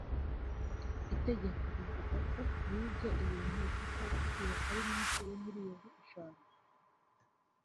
Itegeko rivuga ko uwibye ibintu bifite agaciro kari munsi ya miliyoni eshanu